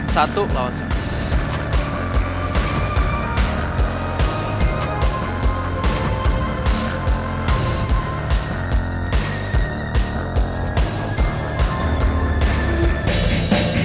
satu lawan satu